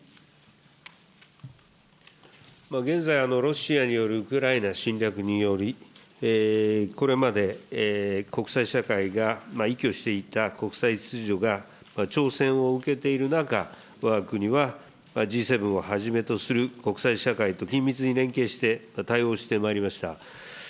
現在、ロシアによるウクライナ侵略により、これまで国際社会が依拠していた国際秩序が挑戦を受けている中、わが国はＧ７をはじめとする、国際社会と緊密に連携して対応してまいりました。